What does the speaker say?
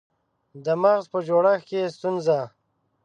د مغز په جوړښت کې ستونزه